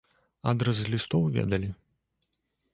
Адрас з лістоў ведалі?